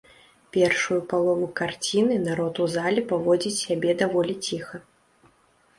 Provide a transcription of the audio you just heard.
Першую палову карціны народ у зале паводзіць сябе даволі ціха.